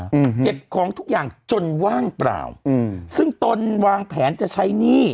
อืมเก็บของทุกอย่างจนว่างเปล่าอืมซึ่งตนวางแผนจะใช้หนี้